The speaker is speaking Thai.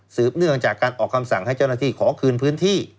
เนื่องจากการออกคำสั่งให้เจ้าหน้าที่ขอคืนพื้นที่